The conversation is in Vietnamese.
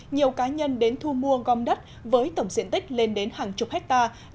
nhiều cá nhân đến thu mua gom đất với tổng diện tích lên đến hàng chục hectare